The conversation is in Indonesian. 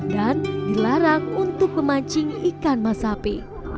dan dilarang untuk memancing ikan masapi